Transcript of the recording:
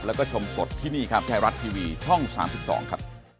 แล้วก็ชมสดที่นี่ครับไทยรัฐทีวีช่อง๓๒ครับ